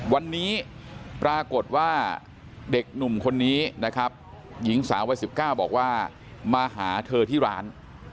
วันนี้ปรากฏว่าเด็กหนุ่มคนนี้นะครับหญิงสาววัย๑๙บอกว่ามาหาเธอที่ร้าน